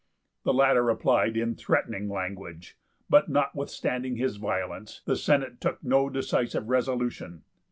The latter replied in threatening language; but, notwithstanding his violence, the Senate took no decisive resolution.